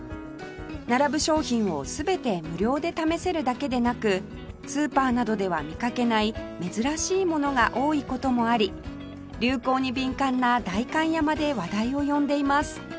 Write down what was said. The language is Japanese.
並ぶ商品を全て無料で試せるだけでなくスーパーなどでは見かけない珍しいものが多い事もあり流行に敏感な代官山で話題を呼んでいます